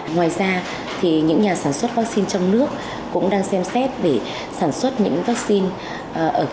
ngoài ra thì những nhà sản xuất vaccine trong nước cũng đang xem xét để sản xuất những vaccine